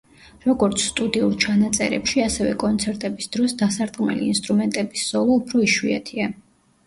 როგორც სტუდიურ ჩანაწერებში, ასევე კონცერტების დროს დასარტყმელი ინსტრუმენტების სოლო უფრო იშვიათია.